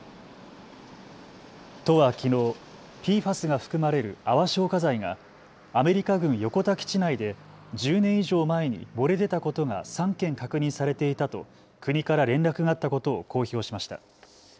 都はきのうＰＦＡＳが含まれる泡消火剤がアメリカ軍横田基地内で１０年以上前に漏れ出たことが３件確認されていたと国から連絡があったことを公表しました。